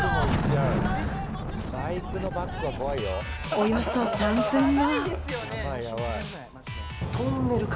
およそ３分後。